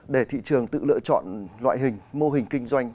để thị trường tự lựa chọn loại hình mô hình kinh doanh